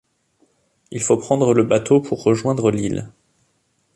Il faut prend le bateau pour rejoindre l'île.